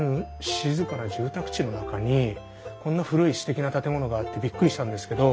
静かな住宅地の中にこんな古いすてきな建物があってびっくりしたんですけど。